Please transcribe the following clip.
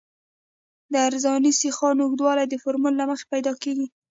د عرضاني سیخانو اوږدوالی د فورمول له مخې پیدا کیږي